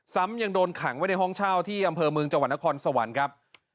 ซ้ำยังโดนขังไว้ในห้องเช่าที่อำเภอเมืองจังหวัดนครสวรรค์ครับ